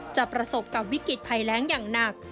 ประสบกับวิกฤตภัยแรงอย่างหนัก